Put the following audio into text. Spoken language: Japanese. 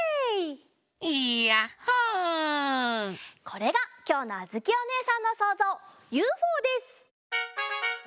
これがきょうのあづきおねえさんのそうぞう「ユーフォー」です！